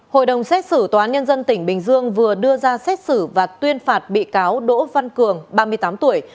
hội đồng xét xử tòa án nhân dân tỉnh bình dương vừa đưa ra xét xử và tuyên phạt bị cáo đỗ văn cường ba mươi tám tuổi